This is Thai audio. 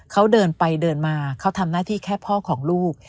เขาเดินไปเดินมาเขาทำหน้าที่แค่พ่อของลูก